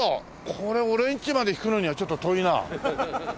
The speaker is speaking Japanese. これ俺んちまで引くのにはちょっと遠いな。